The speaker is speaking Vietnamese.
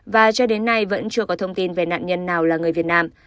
và cho đến nay vẫn chưa có thông tin về nạn nhân nào là người việt nam